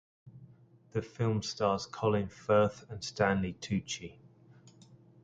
The film stars Colin Firth and Stanley Tucci.